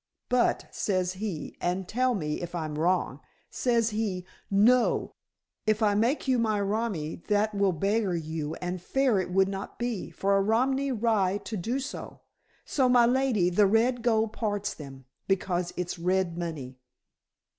'But,' says he, and tell me if I'm wrong. Says he, 'No. If I make you my romi that would beggar you and fair it would not be, for a Romany rye to do!' So, my lady, the red gold parts them, because it's red money."